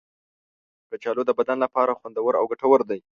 کچالو د بدن لپاره خوندور او ګټور دی.